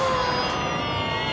え！